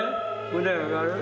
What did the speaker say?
腕上がる。